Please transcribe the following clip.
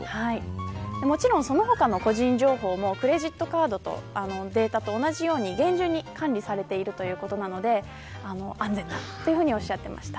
もちろん、その他の個人情報もクレジットカードのデータと同じように厳重に管理されているということなので安全だとおっしゃっていました。